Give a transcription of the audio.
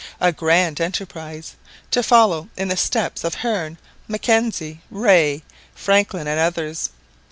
A grand enterprise! To follow in the steps of Hearne, Mackenzie, Rae, Franklin, and others.